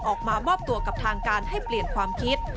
ออกมามอบตัวกับทางการให้เปลี่ยนความคิด